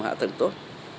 hạ tầng tốt